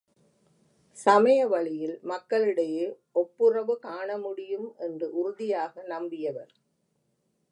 சமய வழியில் மக்களிடையே ஒப்புரவு காணமுடியும் என்று உறுதியாக நம்பியவர்.